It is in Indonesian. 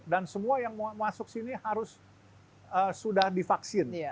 dan semua yang mau masuk sini harus sudah divaksin